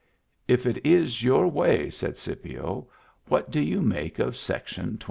" If it is your way," said Scipio, " what do you make of section 26